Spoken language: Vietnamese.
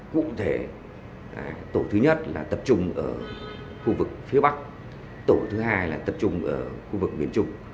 cụ thể tổ thứ nhất là tập trung ở khu vực phía bắc tổ thứ hai là tập trung ở khu vực miền trung